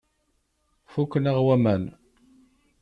Fukken-aɣ waman.